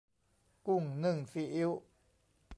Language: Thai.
กุ้งนึ่งซีอิ๊ว